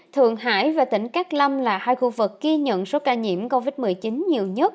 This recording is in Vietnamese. thượng hải và tỉnh cát lâm là hai khu vực ghi nhận số ca nhiễm covid một mươi chín nhiều nhất